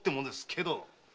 けど。